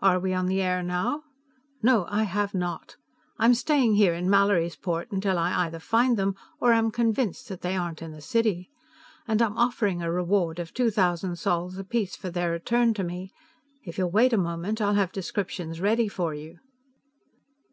"Are we on the air now? No, I have not; I'm staying here in Mallorysport until I either find them or am convinced that they aren't in the city. And I am offering a reward of two thousand sols apiece for their return to me. If you'll wait a moment, I'll have descriptions ready for you...."